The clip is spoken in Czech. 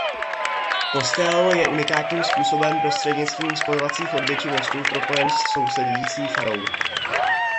Kostel je unikátním způsobem prostřednictvím spojovací chodby či mostu propojen s sousedící farou.